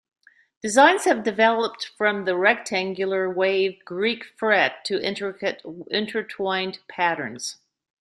Designs have developed from the rectangular wave Greek fret to intricate intertwined patterns.